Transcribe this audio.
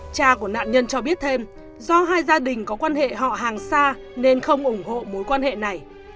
cha của nạn nhân cho biết thêm do hai gia đình có quan hệ họ hàng xa nên không ủng hộ mối quan hệ này